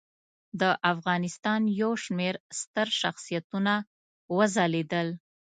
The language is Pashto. د افغانستان یو شمېر ستر شخصیتونه وځلیدل.